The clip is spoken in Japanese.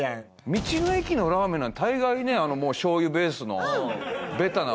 道の駅のラーメンなんて大概ねもう醤油ベースのベタな